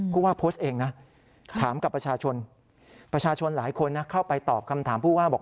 ผู้ว่าโพสต์เองนะถามกับประชาชนประชาชนหลายคนนะเข้าไปตอบคำถามผู้ว่าบอก